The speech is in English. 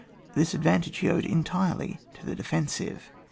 This advantage he owed entirely to the defensive.